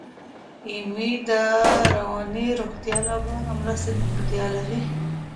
ایمي د رواني روغتیا لپاره مرستې ته اړتیا لري.